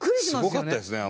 すごかったですね